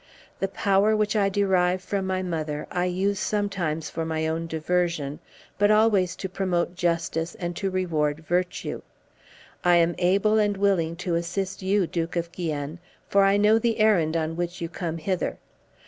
The power which I derive from my mother I use sometimes for my own diversion, but always to promote justice and to reward virtue. I am able and willing to assist you, Duke of Guienne, for I know the errand on which you come hither.